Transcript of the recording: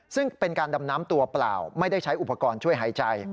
ซึ่งเป็นการดำน้ำตัวเปล่าไม่ได้ใช้อุปกรณ์ช่วยหายใจ